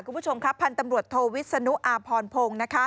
คุณผู้ชมครับพันธ์ตำรวจโทวิศนุอาพรพงศ์นะคะ